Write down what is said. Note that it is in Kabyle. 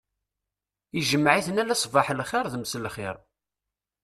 Ijmeɛ-iten ala sbaḥ lxir d mselxir.